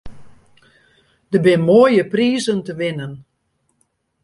Der binne moaie prizen te winnen.